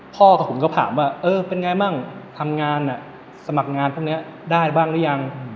กับผมก็ถามว่าเออเป็นไงบ้างทำงานสมัครงานพวกนี้ได้บ้างหรือยัง